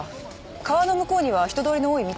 川の向こうには人通りの多い道があります。